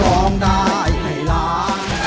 ร้องได้ให้ล้าน